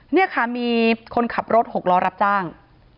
นี่ค่ะมีคนขับรถหกล้อรับจ้าง